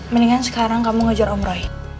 mendingan sekarang kamu ngejar om roy